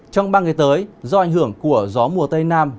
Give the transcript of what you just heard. trong ba ngày tới do ảnh hưởng của gió mùa tây nam